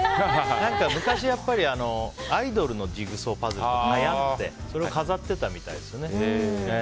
何か昔アイドルのジグソーパズルとかはやってそれを飾ってたみたいですよね。